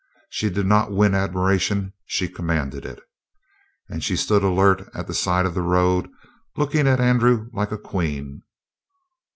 She did not win admiration, she commanded it. And she stood alert at the side of the road, looking at Andrew like a queen.